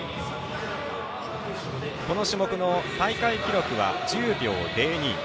この種目の大会記録は１０秒０２。